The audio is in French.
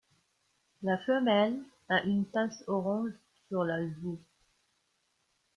La femelle a une tache orange sur la joue.